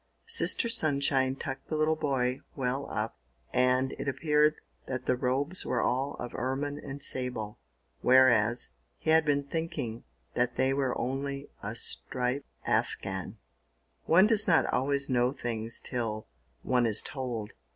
Sister Sunshine tucked the little boy well up, and it appeared that the robes were all of ermine and sable, whereas, he had been thinking that they were only a striped afghan. One does not always know things till one is told.